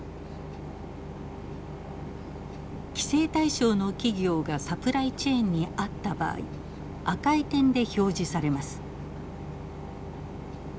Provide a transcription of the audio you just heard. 規制対象の企業がサプライチェーンにあった場合赤い点で表示されます。